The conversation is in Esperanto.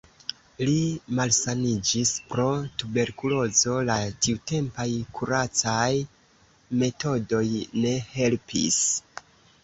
Li malsaniĝis pro tuberkulozo, la tiutempaj kuracaj metodoj ne helpis.